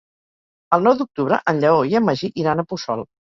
El nou d'octubre en Lleó i en Magí iran a Puçol.